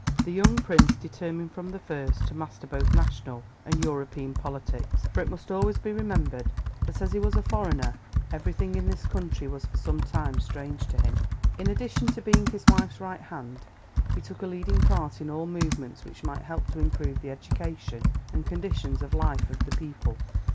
The young Prince determined from the first to master both national and European politics, for it must always be remembered that as he was a foreigner everything in this country was for some time strange to him. In addition to being his wife's right hand he took a leading part in all movements which might help to improve the education and conditions of life of the people.